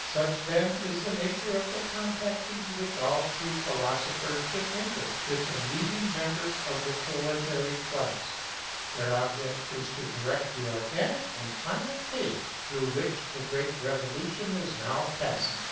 Such, then, is the nature of the compact into which all true philosophers should enter with the leading members of the proletary class. Their object is to direct the organic and final phase through which the Great Revolution is now passing.